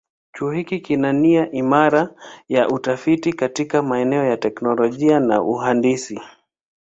Chuo hiki kina nia imara ya utafiti katika maeneo ya teknolojia na uhandisi.